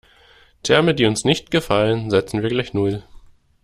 Terme, die uns nicht gefallen, setzen wir gleich null.